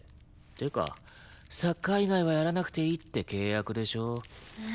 っていうかサッカー以外はやらなくていいって契約でしょ？